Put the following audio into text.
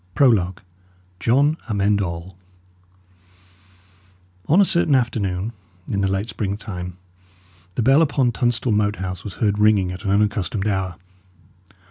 PROLOGUE JOHN AMEND ALL On a certain afternoon, in the late springtime, the bell upon Tunstall Moat House was heard ringing at an unaccustomed hour.